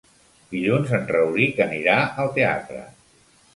Dilluns en Rauric anirà al teatre.